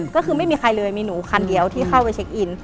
ก็คือไม่มีใครเลยมีหนูคันเดียวที่เข้าไปเช็คอิน